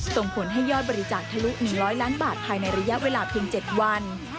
ส่งผลให้ยอดบริจาคทะลุ๑๐๐ล้านบาทภายในระยะเวลาเพียง๗วัน